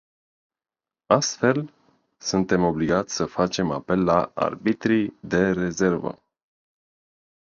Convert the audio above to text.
Astfel, suntem obligați să facem apel la arbitrii de rezervă.